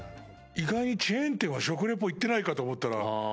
意外にチェーン店は食レポ行ってないかと思ったら。